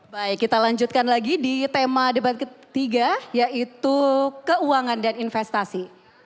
baik kita lanjutkan lagi di tema debat ketiga yaitu keuangan dan investasi